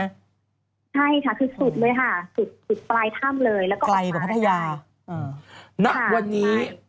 ใช่ค่ะที่สุดเลยค่ะสุดปลายถ้ำเลยแล้วก็ออกมา